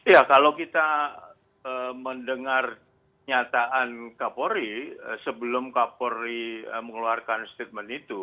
ya kalau kita mendengar nyataan kapolri sebelum kapolri mengeluarkan statement itu